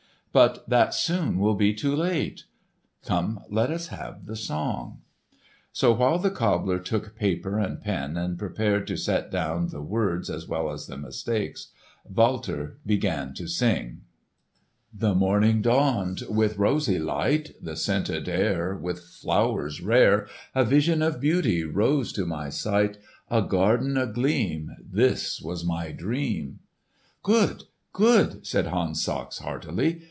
"But that soon will be too late." "Come let us have the song." So while the cobbler took paper and pen and prepared to set down the words as well as the mistakes, Walter began to sing: "The morning dawned with rosy light; The scented air— With flowers rare— A vision of beauty rose to my sight; A garden a gleam This was my dream!" "Good, good!" said Hans Sachs heartily.